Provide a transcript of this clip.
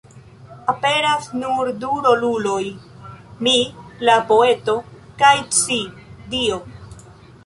Aperas nur du roluloj: "mi", la poeto; kaj "ci", Dio.